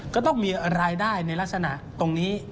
ก็ต้องมีรายได้ในลักษณะตรงนี้